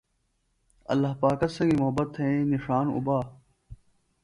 ﷲ پاکہ سنگیۡ محبت تھئینی نِݜان اُبا۔